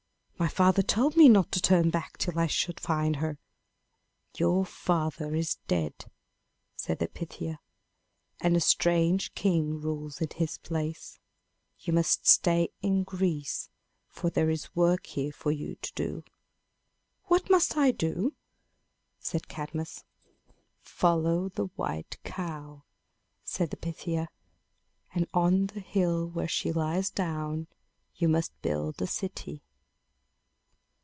"My father told me not to turn back till I should find her." "Your father is dead," said the Pythia, "and a strange king rules in his place. You must stay in Greece, for there is work here for you to do." "What must I do?" said Cadmus. "Follow the white cow," said the Pythia; "and on the hill where she lies down, you must build a city."